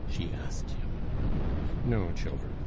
she asked him. "No, children.